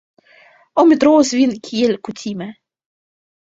Aŭ mi trovos vin kiel kutime...